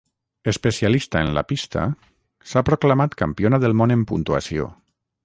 Especialista en la pista, s'ha proclamat Campiona del món en puntuació.